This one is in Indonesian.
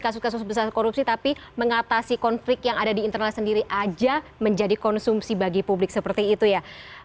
kasus kasus besar korupsi tapi mengatasi konflik yang ada di internal sendiri aja menjadi konsumsi bagi publik seperti itu ya